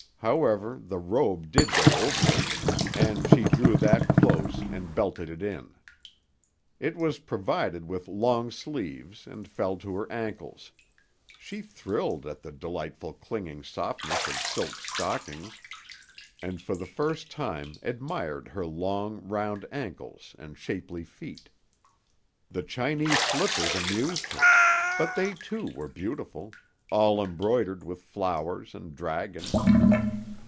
However, the robe did go over it, and she drew that close and belted it in. It was provided with long sleeves and fell to her ankles. She thrilled at the delightful clinging softness of silk stockings and for the first time admired her long, round ankles and shapely feet. The Chinese slippers amused her, but they too were beautiful, all embroidered with flowers and dragons.